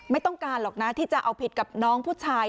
ไม่ต้องการหรอกนะที่จะเอาผิดกับน้องผู้ชาย